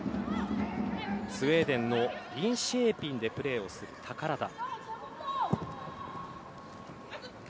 スウェーデンのリンシェーピンでプレーをする宝田。